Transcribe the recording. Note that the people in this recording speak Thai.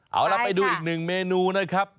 เอาล่ะไปดูอีกหนึ่งเมนูนะครับ